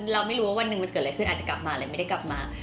เราไม่รู้ว่าวันหนึ่งมันเกิดอะไรขึ้นอาจจะกลับมาหรือไม่ได้กลับมา